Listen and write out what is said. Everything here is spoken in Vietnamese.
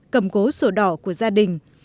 cầm gố sổ đỏ của gia đình